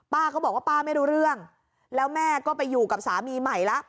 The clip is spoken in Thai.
ป้าเขาบอกว่าป้าไม่รู้เรื่องแล้วแม่ก็ไปอยู่กับสามีใหม่แล้ว